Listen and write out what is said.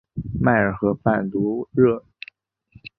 迈尔河畔卢热。